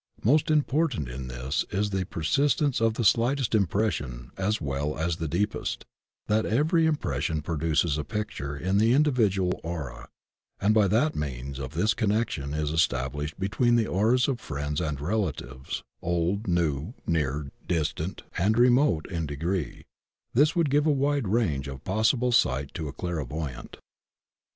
Most important in this is the per 150 THE OCEAN OF THEOSOPHY sistence of the slightest impression as well as the deepest; that every impression produces a picture in the individual aura; and that by means of this a connection is estab lished between the auras of friends and relatives old, new, near, distant, and remote in degree: this would give a wide range of possible sight to a clairvoyant.